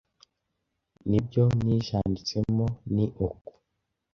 N’ibyo nijanditsemo ni uko